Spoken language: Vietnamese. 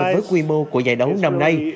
với quy mô của giải đấu năm nay